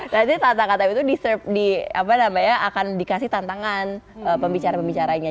nanti tantangan time itu akan dikasih tantangan pembicara pembicaranya